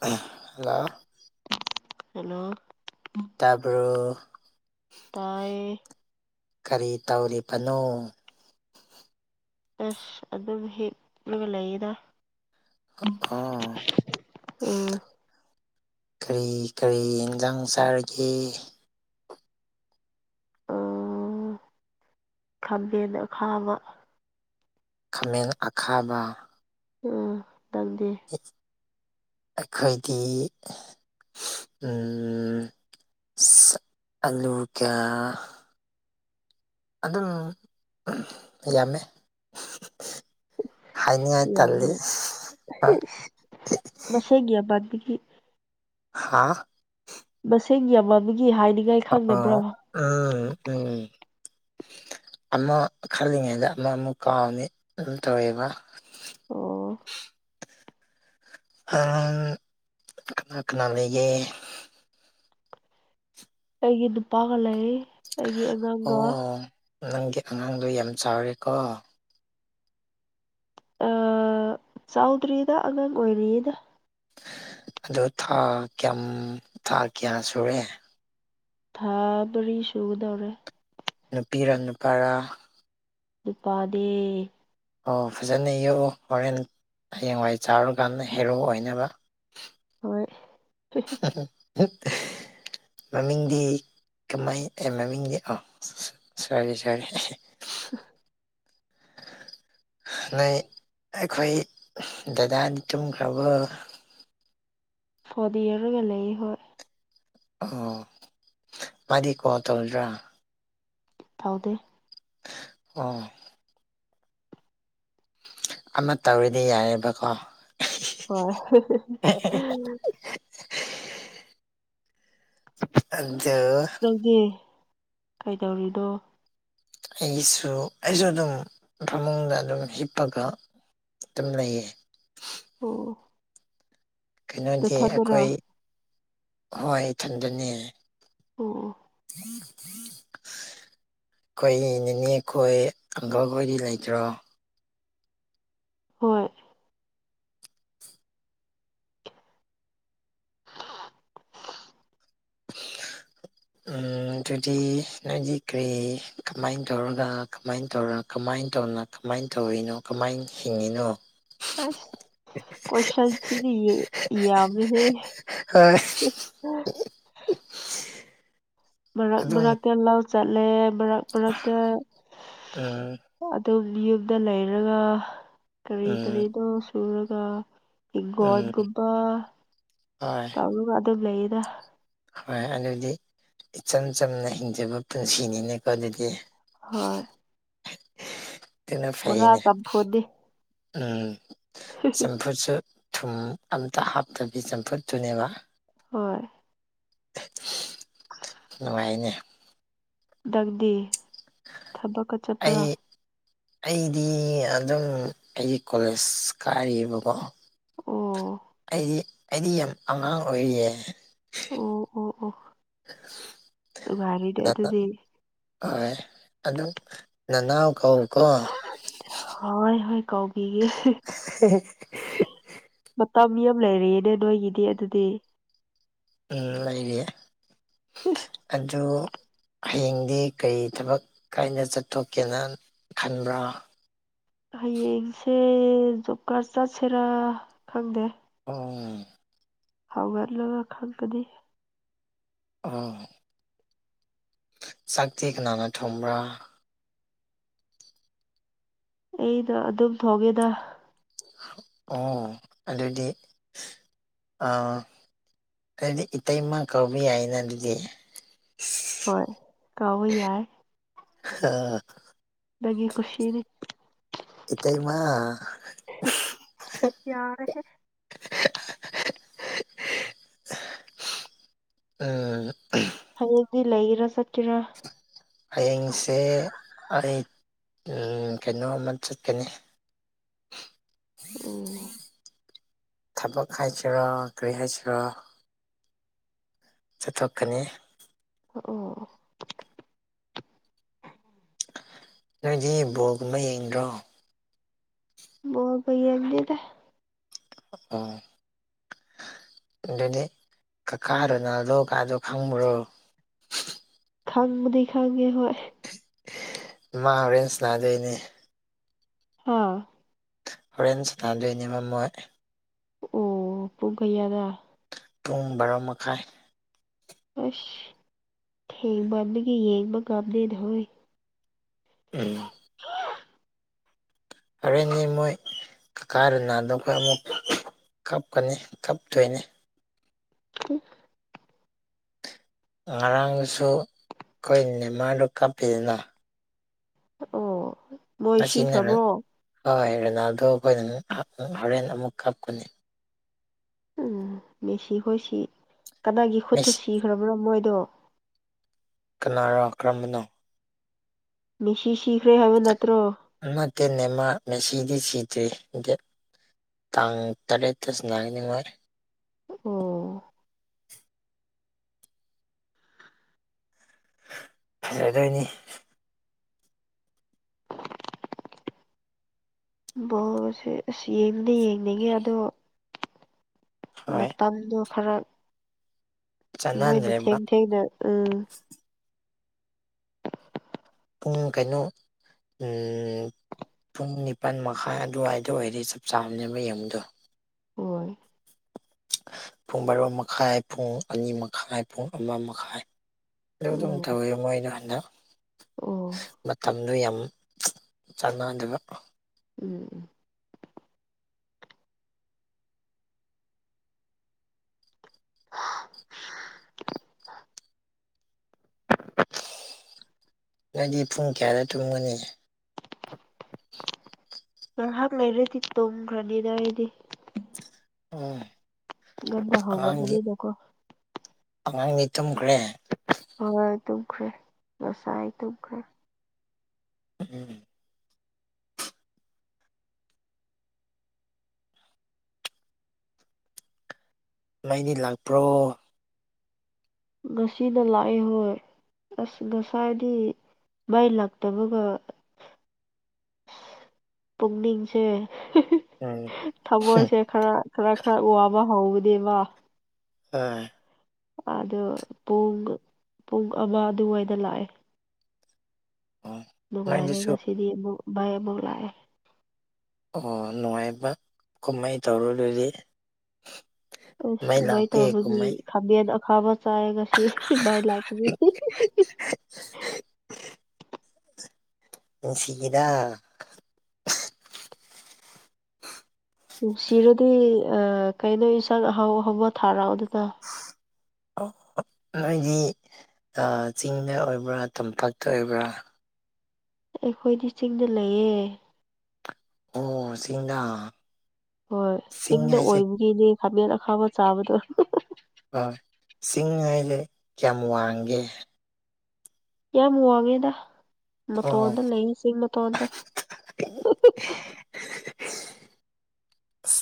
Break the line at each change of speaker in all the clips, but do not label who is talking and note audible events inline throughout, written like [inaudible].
hello
hello
ꯇꯥꯄꯣ
ꯇꯥꯏ
ꯀꯔꯤ ꯇꯧꯔꯤꯕꯅꯣ
ꯑꯁ ꯑꯗꯨꯝ ꯍꯤꯂꯒ ꯂꯩꯗ
ꯑꯥ
ꯎꯝ
ꯀꯔꯤ ꯀꯔꯤ ꯑꯦꯟꯁꯥꯡ ꯆꯥꯔꯒꯦ
ꯈꯥꯝꯕꯦꯟꯗ ꯈꯥꯕ
ꯈꯥꯃꯦꯟ ꯑꯈꯥꯕ
ꯎꯝ ꯇꯪꯗꯦ
ꯑꯩꯈꯣꯏꯗꯤ ꯎ ꯑꯂꯨ ꯀꯌꯥ ꯑꯗꯨꯝ ꯌꯥꯝꯃꯦ ꯍꯥꯏꯅꯤꯡꯉꯥꯏ
ꯌꯥꯝ
ꯇꯜꯂꯤ
ꯁ ꯍꯦꯒꯕ ꯎ
ꯍꯥꯥ
ꯁꯦꯡꯒꯌꯥꯃꯃꯤ
ꯑ ꯎꯝ ꯎꯝ ꯑꯃ ꯈꯜꯂꯤꯉꯩꯗ ꯑꯃ ꯑꯃꯨꯛ ꯀꯥꯎꯅꯤ ꯇꯧꯋꯕ
ꯑꯣ
ꯑꯣꯅꯥ ꯀꯅꯥ ꯂꯩꯦ
ꯑꯩꯒꯤ ꯅꯨꯄꯥꯒ ꯂꯩ ꯑꯩꯒꯤ ꯑꯉꯥꯡꯒ
ꯑꯣ ꯅꯪꯒꯤ ꯑꯉꯥꯡꯗꯣ ꯌꯥꯝ ꯆꯥꯎꯔꯦꯀꯣ
ꯆꯥꯎꯗ꯭ꯔꯤꯗ ꯑꯉꯥꯡ ꯑꯣꯏꯔꯤꯌꯦꯅ
ꯑꯗꯨ ꯊꯥ ꯀꯌꯥꯝ ꯊꯥ ꯀꯌꯥ ꯁꯨꯔꯦ
ꯊꯥꯕꯔꯤ ꯁꯨꯗꯧꯔ
ꯅꯨꯄꯤꯔ ꯅꯨꯄꯥꯔꯥ
ꯑꯗꯨꯄꯥꯗꯦ
ꯑꯣ ꯐꯖꯅ ꯌꯛꯎ ꯍꯣꯔꯦꯟ ꯍꯌꯦꯡꯋꯥꯏ ꯆꯥꯔꯨꯀꯥꯟꯗ ꯍꯦꯔꯣ ꯑꯣꯏꯅꯕ
ꯍꯣꯏ
[inaudible] ꯃꯃꯤꯡꯗꯤ ꯀꯃꯥꯏ ꯑꯦ ꯃꯃꯤꯡꯗꯤ ꯑ ꯁꯥꯔꯤ ꯁꯥꯔꯤ
[inaudible]
ꯑꯗꯨꯗꯩ ꯑꯩꯈꯣꯏ ꯗꯗꯥꯗꯤ ꯇꯨꯝꯈ꯭ꯔꯕ
ꯐꯗꯤꯔ ꯃꯦ ꯂꯩ ꯍ
ꯑꯣ ꯃꯗꯤ ꯀꯣ ꯇꯣꯜ꯭ꯔꯥ
ꯊꯥꯎꯗꯦ
ꯑꯣ ꯑꯃ ꯇꯧꯔꯤꯗꯤ ꯌꯥꯏꯦꯕꯀꯣ
ꯍꯣꯏ
ꯑꯗꯨꯗ
ꯅꯪꯗꯤ ꯀꯩꯗꯧꯔꯤꯅꯣ
ꯑꯩꯒꯤꯁꯨ ꯑꯩꯁꯨ ꯑꯗꯨꯝ ꯐꯃꯨꯡꯗ ꯑꯗꯨꯝ ꯍꯤꯞꯄꯒ ꯇꯝꯅꯌꯦ
ꯑꯣ
ꯀꯩꯅꯣꯗꯤ
ꯅꯊꯟꯗꯔꯣ
ꯑꯩꯈꯣꯏ ꯍꯣꯏ ꯏꯊꯟꯗꯅꯤ
ꯑꯣ [unintelligible]
ꯑꯩꯈꯣꯏ ꯅꯦ ꯑꯩꯈꯣꯏ ꯑꯪꯀꯜꯈꯣꯏꯗꯤ ꯂꯩꯈ꯭ꯔꯣ
ꯍꯣꯏ [unintelligible]
ꯎꯝ ꯑꯗꯨꯗꯤ ꯅꯣꯏꯗꯤ ꯀꯔꯤ ꯀꯃꯥꯏꯅ ꯇꯧꯔꯒ ꯀꯃꯥꯏꯅ ꯇꯧꯔꯃ ꯀꯃꯥꯏꯅ ꯇꯧꯅ ꯀꯃꯥꯏꯅ ꯇꯧꯔꯤꯅꯣ ꯀꯃꯥꯏꯅ ꯍꯤꯡꯉꯤꯅꯣ
ꯑꯁ ꯏ ꯌꯥꯝꯕꯤ
ꯍꯣꯏ
ꯍ ꯃꯔꯛ
ꯑꯗꯨꯝ
ꯃꯔꯛꯇ ꯂꯧ ꯆꯠꯂꯦ ꯃꯔꯛ ꯃꯔꯛꯇ
ꯎꯝ
ꯑꯗꯨ ꯌꯨꯝꯗ ꯂꯩꯔꯒ ꯀꯔꯤ
ꯎꯝ
ꯀꯔꯤꯗꯣ ꯁꯨꯔꯒ
ꯎꯝ
ꯍꯤꯡꯒꯣꯣꯟꯒꯨꯝꯕ
ꯍꯣꯏ
ꯇꯧꯔꯒ ꯑꯗꯨꯝ ꯂꯩꯅ
ꯍꯣꯏ ꯑꯗꯨꯗꯤ ꯏꯆꯝ ꯆꯝꯅ ꯍꯤꯡꯖꯕ ꯄꯨꯟꯁꯤꯅꯤꯅꯦꯀꯣ ꯑꯗꯨꯗꯤ
ꯍꯣꯏ
ꯑꯗꯨꯅ
ꯕꯣꯔꯥ
ꯐꯥꯏꯅꯦ
ꯆꯝꯐꯨꯠꯅꯤ
ꯎꯝ ꯆꯝꯐꯨꯠꯁꯨ ꯊꯨꯝ ꯑꯝꯇ ꯍꯥꯞꯇꯕꯤ ꯆꯝꯐꯨꯠꯇꯨꯅꯦꯕ
ꯍꯣꯏ
ꯅꯨꯡꯉꯥꯏꯅꯦ
ꯗꯪꯗꯤ ꯊꯕꯛꯀ ꯆꯠꯄ꯭ꯔꯥ
ꯑꯩ ꯑꯩꯗꯤ ꯑꯗꯨꯝ ꯑꯩꯒꯤ ꯀꯣꯂꯦꯖ ꯀꯥꯏꯔꯤꯕꯀꯣ
ꯑꯣ
ꯑꯩꯗꯤ ꯑꯩꯗꯤ ꯌꯥꯝ ꯑꯉꯥꯡ ꯑꯣꯏꯔꯤꯌꯦ
ꯑꯣ ꯑꯣ ꯑꯣ ꯉꯥꯏꯔꯤꯗꯦ ꯑꯗꯨꯗꯤ
ꯍꯣꯏ ꯑꯗꯨꯣ ꯅꯅꯥꯎ ꯀꯣ
ꯍ ꯍꯣꯏ ꯀꯧꯒꯤꯒꯤ ꯃꯇꯝ ꯑꯃ ꯂꯩꯔꯑꯅꯦ ꯅꯣꯏꯒꯤꯗꯤ ꯑꯗꯨꯗꯤ
ꯎꯝ ꯂꯩꯔꯤꯦ ꯑꯗꯨꯣ ꯍꯌꯦꯡꯗꯤ ꯀꯔꯤ ꯊꯕꯛ ꯀꯥꯏꯅ ꯆꯠꯊꯣꯛꯀꯦꯅ ꯈꯟꯕ꯭ꯔꯥ
ꯍꯌꯦꯡꯁꯦ ꯖꯣꯕ ꯀꯥꯔꯗ ꯆꯠꯁꯤꯔꯥ ꯈꯪꯗꯦ
ꯍꯣꯡ
ꯍꯥꯎꯒꯔꯂꯒ ꯈꯪ ꯀꯗꯤ
ꯑꯥ ꯆꯥꯛꯇꯤ ꯀꯅꯥ ꯊꯣꯨꯝ꯭ꯔꯥ
ꯑꯩꯅ ꯑꯗꯨꯝ ꯊꯣꯡꯒꯦꯗ
ꯑꯣ ꯑꯗꯨ ꯑ ꯍꯥꯏꯗꯤ ꯏꯇꯩꯃ ꯀꯧꯕꯤꯥꯏꯅ ꯑꯗꯨꯗꯤ
ꯍꯣꯏ ꯀꯥꯎꯕ ꯌꯥꯏ ꯂꯒꯤ ꯈꯨꯨꯁꯤꯤꯅꯤ
ꯏꯇꯩ ꯃꯥ ꯑ
ꯌꯥꯔꯦ ꯍꯌꯦꯗꯤ ꯂꯩꯔ ꯆꯠꯀꯤꯦꯔꯥ
ꯍꯌꯦꯡꯁꯦ ꯑꯩ ꯀꯩꯅꯣꯝꯃ ꯆꯠꯀꯅꯤ
ꯎꯝ
ꯊꯕꯛ ꯍꯥꯏꯁꯤꯔꯣ ꯀꯔꯤ ꯍꯥꯏꯁꯤꯔꯣ ꯆꯠꯠꯇꯣꯛꯀꯅꯤ
ꯑꯣ
ꯅꯗꯤꯕꯣ ꯀꯃ ꯌꯦꯡ꯭ꯔꯣ
ꯀꯩ ꯑꯦꯗꯤꯗ
ꯑꯣ ꯑꯗꯨꯗꯤ ꯀꯀꯥꯗꯨꯅ ꯂꯣ ꯀꯥꯗꯣ ꯈꯪꯕ꯭ꯔꯣ
ꯈꯪꯕꯗꯤ ꯈꯪꯉꯦ ꯍꯣꯏ
ꯃꯥ ꯍꯣꯔꯦꯟꯁꯅꯥꯗꯩꯅꯦ
ꯑꯥ
ꯍꯣꯔꯦꯟ ꯆꯇꯥꯥꯟꯗꯣꯏꯅꯤ ꯃꯝꯃꯣꯏ
ꯑꯣ ꯄꯨꯡ ꯀꯌꯥꯗ
ꯄꯨꯡ ꯕꯥꯔꯣ ꯃꯈꯥꯏ
ꯑꯁ ꯊꯦꯡꯕꯥꯒꯤ ꯌꯦꯡꯕ ꯉꯥꯝꯗꯦꯅ ꯍꯣꯏ
ꯎꯝ ꯑꯔꯦꯟꯅꯦ ꯃꯣꯏ ꯀꯀꯥꯔꯅꯥꯗ ꯑꯩꯈꯣꯏ ꯑꯃꯨꯛ ꯀꯞꯀꯅꯤ ꯀꯞꯇꯣꯏꯅꯤ
ꯎꯝ
ꯉꯔꯥꯡꯁꯨ ꯑꯩꯈꯣꯏ ꯅꯦꯃꯥꯟꯗꯨ ꯀꯥꯞꯄꯤꯗꯅ
ꯑꯣ ꯃꯣꯏ ꯁꯤꯈ꯭ꯔꯕ꯭ꯔꯣ
ꯔꯦꯅꯥꯜꯗꯣ ꯑꯩꯈꯣꯏꯅ ꯍꯣꯔꯦꯟ ꯑꯃꯨꯛ ꯀꯥꯞꯀꯅꯤ
ꯎꯝ ꯃꯦꯁꯤꯈꯣꯏꯁꯤ ꯀꯗꯥꯏꯒꯤ ꯈꯨꯠꯇ
ꯃꯤꯁ
ꯁꯤꯈ꯭ꯔꯕꯅꯣ ꯃꯣꯏꯗꯣ
ꯀꯅꯥꯅꯣ ꯀꯔꯝꯕꯅꯣ
ꯃꯤꯁꯤꯁꯤ
ꯃꯥ ꯇ ꯅꯦꯃ ꯃꯁꯤꯗꯤ ꯁꯤ ꯗꯦꯠ ꯇꯥꯡ ꯇꯔꯦꯠꯇꯁꯨ ꯅꯤꯉꯔꯦ
ꯑꯣ
ꯑꯗꯨꯗꯣꯏꯅꯤ
ꯕꯣꯁ ꯑꯁ ꯌꯦꯡꯕꯗꯤ ꯌꯦꯡꯅꯤꯡꯉꯦ ꯑꯗꯣ
ꯍꯣꯏ
ꯃꯇꯝꯗꯨꯣ ꯈꯔ ꯃꯣꯏꯅ
ꯆꯥꯟꯅꯗ꯭ꯔꯦꯕ
ꯊꯦꯡ ꯊꯦꯡꯅ ꯎꯝ
ꯄꯨꯡ ꯀꯩꯅꯣ ꯄꯨꯡ ꯅꯤꯄꯥꯜ ꯃꯈꯥꯏ ꯑꯗꯨꯋꯥꯏꯗ ꯑꯣꯏꯔꯦ ꯆꯞ ꯆꯥꯕꯅꯦꯕ ꯌꯦꯡꯨꯗꯣ
ꯍꯣꯏ
ꯄꯨꯡ ꯔꯣ ꯃꯈꯥꯏ ꯄꯨꯡ ꯑꯅꯤ ꯃꯈꯥꯏ ꯄꯨꯡ ꯑꯃ ꯃꯈꯥꯏ ꯑꯗꯨ ꯑꯗꯨꯝ
ꯎꯝ
ꯇꯧꯋꯤꯦ ꯃꯣꯏꯅ ꯍꯟꯗꯛ
ꯑꯣ
ꯃꯇꯝꯗꯨ ꯌꯥꯝ ꯆꯥꯟꯅ ꯑꯗꯨꯒ
ꯎꯝ ꯎꯝ
ꯅꯪꯗꯤ ꯄꯨꯡ ꯀꯌꯥꯗ ꯇꯨꯝꯒꯅꯤ [unintelligible]
ꯉꯥꯏꯍꯥꯛ ꯂꯩꯔꯗꯤ ꯇꯣꯡꯈ꯭ꯔꯅꯤꯗ ꯑꯩꯗꯤ
ꯎꯝ
ꯟꯗꯥ ꯍꯧꯒ ꯄꯅꯤꯗꯀꯣ
ꯑꯉꯥꯡ ꯅ ꯈꯦ
ꯍꯣꯏ ꯇꯨꯝꯈ꯭ꯔꯦ ꯉꯁꯥꯏ ꯇꯨꯝꯈ꯭ꯔꯦ
ꯎꯝ ꯃꯅꯤ ꯂꯥꯛꯄ꯭ꯔꯣ
ꯁꯤꯗ ꯂꯑ ꯍꯣꯏ ꯑꯁ ꯉꯁꯥꯏꯗꯤ ꯃꯩ ꯂꯇꯕꯒ ꯄꯨꯛꯅꯤꯡꯁꯦ
ꯎꯝ
ꯊꯃꯣꯏꯁꯦ ꯈꯔ ꯈꯔ ꯈꯔ ꯋꯥꯕ ꯍꯧꯕꯅꯦꯕ
ꯑꯝ
ꯑꯗꯣ ꯄꯨꯡ ꯄꯨꯡ ꯑꯃ ꯑꯗꯨꯋꯥꯏꯗ ꯂꯥꯛꯑꯦ
ꯍꯣꯏ
ꯅꯨꯡꯉꯥꯏꯔꯦ
ꯅꯣꯏꯗꯁꯨ
ꯉꯁꯤꯗꯤ ꯑꯃꯨꯛ ꯚꯥꯏ ꯑꯃꯨꯛ ꯂꯥꯛꯑꯦ
ꯑꯣ ꯅꯨꯡꯉꯥꯏꯕ ꯀꯃꯥꯏꯅ ꯇꯧꯔ ꯑꯗꯨꯗꯤ
ꯑꯁ
ꯃꯩ
ꯁꯨꯃꯥꯏꯅ
ꯂꯥꯛꯄꯤ
ꯇꯧꯔꯒꯤ
ꯀꯨꯝꯍꯩ
ꯈꯥꯕꯦꯟ ꯑꯈꯥꯕ ꯆꯥꯏ ꯀꯁꯤ ꯏ ꯂꯕꯤ
ꯎ ꯁꯤꯒꯤꯗꯥ
ꯅꯨꯡꯁꯤꯔꯗꯤ ꯀꯩꯅꯣ ꯏꯟꯁꯥꯡ ꯑꯍꯥꯎ ꯑꯍꯥꯎꯕ ꯊꯥꯔꯛꯑꯣ ꯑꯗꯨꯅ
ꯅꯣꯏꯗꯤ ꯆꯤꯡꯗ ꯑꯣꯏꯕ꯭ꯔꯥ ꯇꯝꯄꯥꯛꯇ ꯑꯣꯏꯕ꯭ꯔꯥ
ꯑꯩꯈꯣꯏꯗꯤ ꯆꯤꯡꯗ ꯂꯩꯌꯦ
ꯑꯣ ꯁꯤꯁꯤꯡꯗꯥ
ꯍꯣꯏ ꯆꯤꯡꯗ ꯑꯣꯏꯕꯒꯤꯅꯦ ꯈꯥꯃꯦꯟ ꯑꯈꯥꯕ ꯆꯥꯕꯗꯣ
ꯍꯣꯏ ꯁꯤꯡꯉꯥꯏꯁꯦ ꯀꯌꯥꯝ ꯋꯥꯡꯒꯦ
ꯀꯌꯥ ꯃꯨꯒꯦꯗ ꯃꯇꯣ
ꯑꯣ
ꯋꯥꯗ ꯂꯩꯁꯤꯡ ꯃꯇꯣꯗ [unintelligible]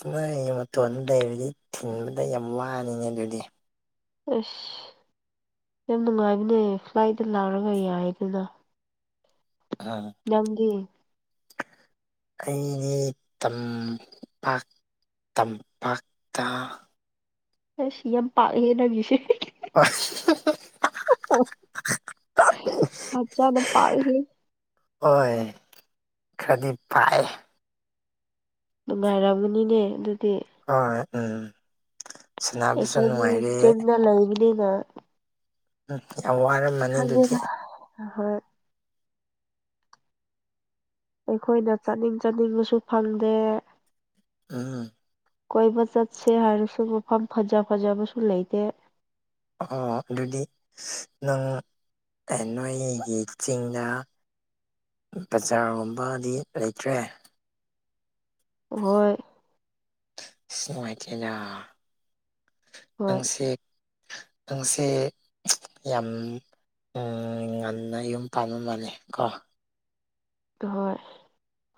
ꯑꯅ ꯑꯩ ꯃꯇꯣꯟꯗ ꯗꯔꯗꯤ ꯊꯤꯟꯕꯗ ꯌꯥꯝ ꯋꯥꯅꯤꯡꯉ ꯑꯗꯨꯗꯤ
ꯑꯁ ꯌꯥꯝ ꯅꯨꯡꯉꯥꯏꯕꯅꯦ ꯐ꯭ꯂꯥꯏꯠꯇ ꯂꯥꯛꯔꯒ ꯌꯥꯏ ꯑꯗꯨꯅ
ꯎꯝ
ꯅꯪꯒꯤ
ꯑꯩꯅꯤ ꯇꯝ ꯄ ꯇꯝꯄꯥꯛꯇ
ꯍ ꯁꯤ ꯌꯥꯝ ꯄꯥ ꯍꯦꯅꯒꯤꯁꯦ
ꯍ
ꯐꯖꯥꯅ ꯄꯁꯤ
ꯍꯣꯏ ꯈꯔꯗꯤ ꯄꯥꯏ
ꯅꯨꯡꯉꯥꯏꯔꯝꯃꯅꯤꯅꯦ ꯑꯗꯨ
ꯑ ꯎꯝ ꯁꯥꯟꯅꯕꯁꯨ
ꯑꯩꯈꯣꯏ
ꯅꯨꯡꯉꯥꯏꯔꯦ
ꯇ꯭ꯔꯦꯟꯗ ꯂꯦꯕ ꯅ
ꯎꯝ ꯌꯥꯝ ꯋꯥꯔ ꯃꯅꯤ ꯑꯗꯨꯗꯤ
ꯍꯣꯏ ꯑꯩꯈꯣꯏꯅ ꯆꯠꯅꯤꯡ ꯆꯥꯅꯤꯡꯕꯁꯨ ꯐꯪꯗꯦ
ꯎꯝ
ꯀꯣꯏꯕ ꯆꯠꯁꯦ ꯍꯥꯏꯔꯁꯨ ꯃꯐꯝ ꯐꯖ ꯐꯖꯕꯁꯨ ꯂꯩꯇꯦ
ꯑꯣ ꯔꯦꯗꯤ ꯅꯪ ꯅꯣꯏꯒꯤ ꯆꯤꯡꯗ ꯕꯖꯥꯔꯒꯨꯝꯕꯗꯤ ꯂꯩꯇ꯭ꯔꯦ
ꯍꯣꯏ
ꯁꯤꯃꯥꯏꯊꯦꯗ
ꯍꯣꯏ
ꯅꯪꯁꯤ ꯅꯪꯁ ꯌꯥꯝ ꯎꯝ ꯉꯟꯅ ꯌꯨꯝ ꯄꯥꯟꯂꯝ ꯃꯥꯜꯅꯤ ꯀꯣ
ꯍꯣꯏ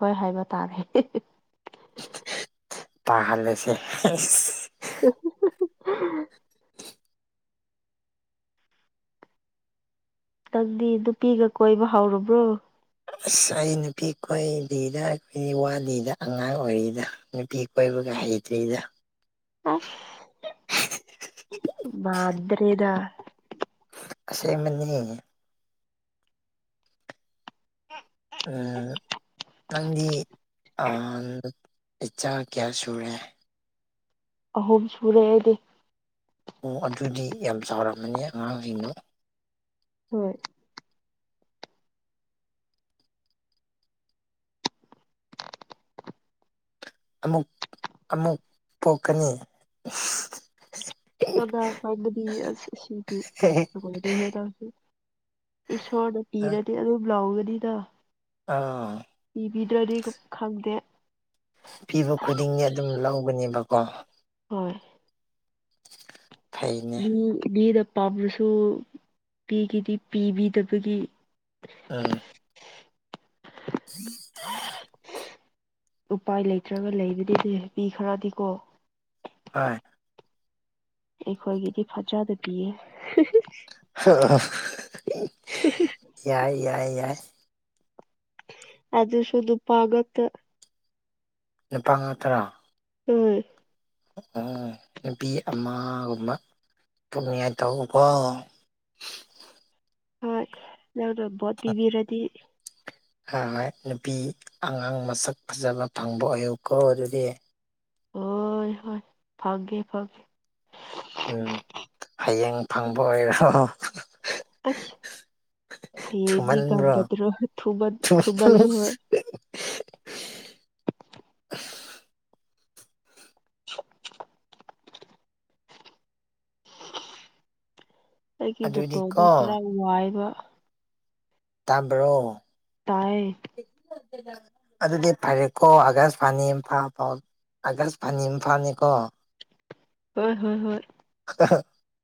ꯍꯣꯏ ꯍꯥꯏꯕ ꯇꯥꯅꯤ
ꯇꯍꯜꯦꯁꯦ
[unintelligible] ꯅꯪꯗꯤ ꯅꯨꯄꯤꯒ ꯀꯣꯏꯕ ꯍꯧꯔꯕ꯭ꯔꯣ
ꯑꯁ ꯑꯩ ꯅꯨꯄꯤ ꯀꯣꯏꯕꯤꯗ ꯑꯩꯈꯣꯏꯒꯤ ꯋꯥꯗꯤꯗ ꯑꯉꯥꯡ ꯑꯣꯏꯔꯤꯗ ꯅꯨꯄꯤ ꯀꯣꯏꯕꯒ ꯍꯥꯏꯗ
ꯑ ꯃꯥꯗ꯭ꯔꯦꯗ
ꯑꯁꯦ ꯃꯅꯤ ꯑ ꯅꯪꯗꯤ ꯏꯆꯥ ꯀꯌꯥ ꯁꯨꯔꯦ
ꯑꯍꯨꯝ ꯁꯨꯔꯦ ꯑꯩꯗꯤ
ꯑꯣ ꯑꯗꯨꯗꯤ ꯌꯥꯝ ꯆꯥꯎꯔꯝꯃꯅꯤ ꯑꯉꯥꯡꯁꯤꯡꯅꯣ
ꯍꯣꯏ
ꯑꯃꯨꯛ ꯑꯃꯨꯛ ꯄꯣꯛꯀꯅꯤ
ꯀꯗꯥ ꯐꯗꯕꯤꯗꯤꯣꯦꯦ ꯏꯁꯣꯔꯗ ꯄꯤꯔꯗꯤ ꯑꯗꯨ ꯂꯥꯎꯒꯅꯤꯗ
ꯑꯥ
ꯕꯤꯗꯗꯤ ꯈꯪꯗꯦ
ꯄꯤꯕ ꯈꯨꯗꯤꯡꯒꯤ ꯑꯗꯨꯝ ꯂꯧꯒꯅꯦꯕꯀꯣ
ꯍꯣꯏ
ꯐꯩꯅꯦ
ꯃꯤ ꯃꯤꯗ ꯄꯥꯝꯕꯁꯨ ꯃꯤꯒꯤꯗꯤ ꯄꯤꯕꯤꯗꯕꯒꯤ
ꯊ ꯊ
ꯎꯄꯥꯏ ꯂꯩꯇ꯭ꯔꯒ ꯂꯩꯕꯗꯤꯁ ꯃꯤ ꯈꯔꯗꯤꯀꯣ
ꯍꯣꯏ
ꯑꯩꯈꯣꯏꯒꯤꯗꯤ ꯐꯖꯗ ꯄꯤꯌꯦ
ꯌꯥꯏ ꯌꯥꯏ ꯌꯥꯏ
ꯑꯖ ꯁꯨꯗꯨ ꯄꯒꯠꯇ
ꯅꯨꯅꯤꯄꯥ ꯇꯔꯥ
ꯎꯝ
ꯎ ꯅꯨꯄꯤ ꯑꯃꯒꯨꯝꯕ ꯄꯟꯌꯥ ꯇꯧꯕꯧꯕꯀꯣ
ꯍꯣꯏ ꯅꯪꯅ ꯚꯣꯠ ꯄꯤꯕꯤꯔꯗꯤ
ꯍꯣꯏ ꯅꯨꯄꯤ ꯑꯉꯥꯡ ꯃꯁꯛ ꯐꯖꯕ ꯐꯪꯕ ꯑꯣꯏꯌꯨꯀꯣ ꯑꯗꯨꯗꯤ
ꯍꯣꯏ ꯍꯣꯏ ꯐꯥꯒꯦ ꯐꯒꯦ
ꯎꯝ ꯍꯌꯦꯡ ꯐꯪꯕ ꯑꯣꯏꯔꯣ
ꯑꯁ ꯍꯌꯦꯡꯗꯤ
ꯆꯨꯃꯜ꯭ꯔꯣ
ꯉꯝꯒꯗ꯭ꯔꯣ ꯊꯨꯃꯟ
ꯆꯃ
ꯊꯨꯃꯜꯂꯦ ꯍꯣꯏ [unintelligible] ꯑꯩꯒꯤ ꯗꯇꯣꯗꯣ ꯈꯔ
ꯑꯗꯨꯗꯤꯀꯣ
ꯋꯥꯏꯕ
ꯇꯝꯕ꯭ꯔꯣ
ꯇꯌꯦ
ꯑꯗꯨꯗꯤ ꯐꯔꯦꯀꯣ ꯑꯒꯁ ꯄꯥꯅꯤ ꯏꯝꯐꯥ ꯐꯥꯎ ꯑꯀꯥꯁ ꯐꯥꯅꯤ ꯏꯝꯐꯥꯜꯅꯤꯀꯣ
ꯍꯣꯏ ꯍꯣꯏ ꯍꯣꯏ
ꯑ